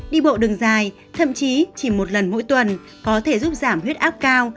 đi bộ đường dài thậm chí chỉ một lần mỗi tuần có thể giúp giảm huyết áp cao